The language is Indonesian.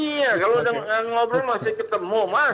iya kalau udah ngobrol masih ketemu mas